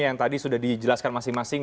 yang tadi sudah dijelaskan masing masing